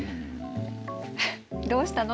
どうしたの？